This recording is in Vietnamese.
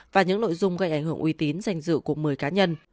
và những nội dung gây ảnh hưởng uy tín danh dự của một mươi cá nhân